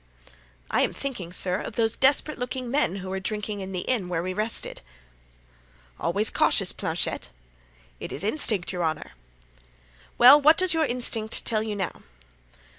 "I am thinking, sir, of those desperate looking men who were drinking in the inn where we rested." "Always cautious, Planchet." "'Tis instinct, your honor." "Well, what does your instinct tell you now?"